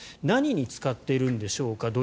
何に使っているんでしょうか。